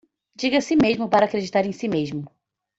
Diga a si mesmo para acreditar em si mesmo